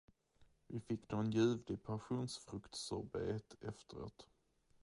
Vi fick nån ljuvlig passionsfruktssorbet efteråt.